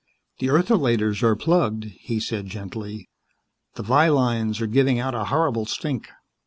"The ertholaters are plugged," he said gently. "The vi lines are giving out a horrible stink."